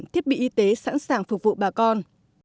thiết bị y tế sẵn sàng phục vụ bà con